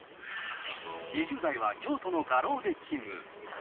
２０代は京都の画廊で勤務。